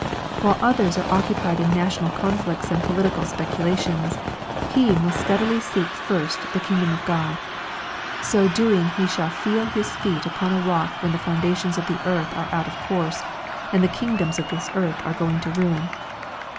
While other are oc cupied in national conflicts and political speculations, he must steadily seek first the kingdom of God. So doing be shall feel his feet upon a rock when the foundations of the earth are out of course, and the kingdoms of this earth are going to ruin.